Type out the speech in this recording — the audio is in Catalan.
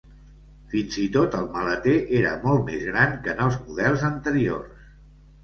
Fins i tot el maleter era molt més gran que en els models anteriors.